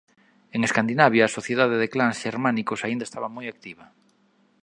En Escandinavia a sociedade de clans xermánicos aínda estaba moi activa.